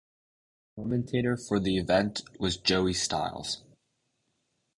The commentator for the event was Joey Styles.